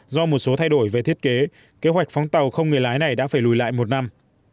do một số thay đổi về thiết kế kế hoạch phóng tàu không người lái này đã phải lùi lại một năm